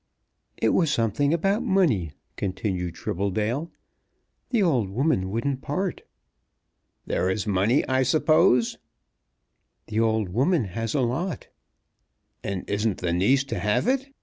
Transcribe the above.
"It was something about money," continued Tribbledale. "The old woman wouldn't part." "There is money I suppose?" "The old woman has a lot." "And isn't the niece to have it?"